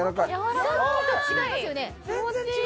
さっきと違いますよね。